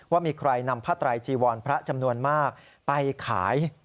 ว่ามีใครนำผ้าไตรจีวรพระจำนวนมากไปขาย